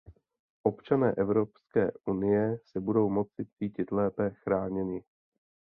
Občané Evropské unie se budou moci cítit lépe chráněni.